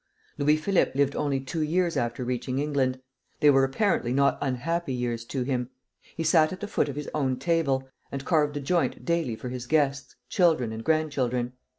Louis Philippe lived only two years after reaching England. They were apparently not unhappy years to him. He sat at the foot of his own table, and carved the joint daily for his guests, children, and grandchildren.